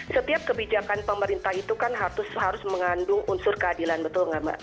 setiap kebijakan pemerintah itu kan harus mengandung unsur keadilan betul nggak mbak